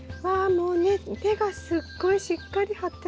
もうね根がすっごいしっかり張ってますね。